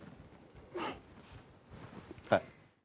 はい。